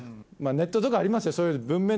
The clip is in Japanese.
ネットとかありますよ。